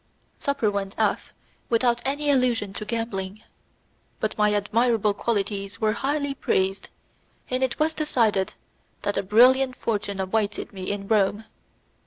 Supper went off without any allusion to gambling, but my admirable qualities were highly praised, and it was decided that a brilliant fortune awaited me in Rome.